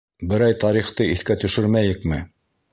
Берәй тарихты иҫкә төшөрмәйекме?